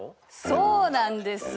そうなんです。